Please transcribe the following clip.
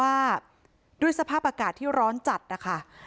อาบน้ำเป็นจิตเที่ยว